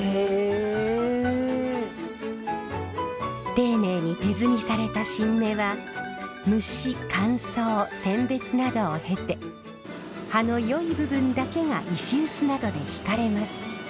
丁寧に手摘みされた新芽は蒸し乾燥選別などを経て葉のよい部分だけが石臼などで挽かれます。